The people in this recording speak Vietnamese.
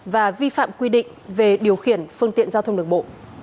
và vi phạm quy định về điều khiển phương tiện giao thông đường bộ